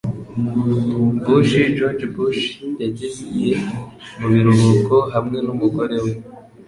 [Bush] George Bush yagiye mu biruhuko hamwe n’umugore we.